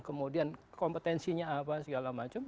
kemudian kompetensinya apa segala macam